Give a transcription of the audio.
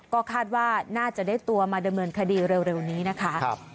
ก็คาดว่าน่าจะได้ตัวมาดำเนินคดีเร็วนี้นะคะ